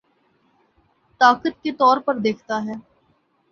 طاقت کے طور پر دیکھتا ہے